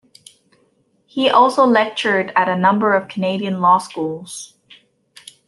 He also lectured at a number of Canadian law schools.